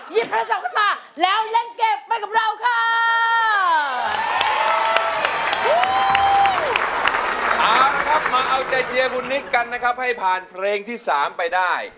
ยิบอัตราสาวงค์ขึ้นมา